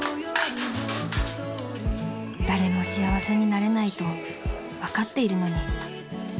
［誰も幸せになれないと分かっているのに］